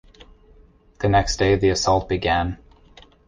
The next day the assault began.